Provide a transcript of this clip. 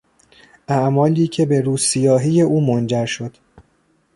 اعمالی که به روسیاهی او منجر شد.